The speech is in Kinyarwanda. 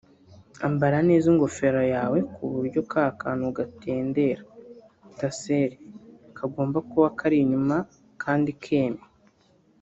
Ambara neza ingofero yawe ku buryo ka kantu gatendera (tassel) kagomba kuba kari inyuma kandi kemye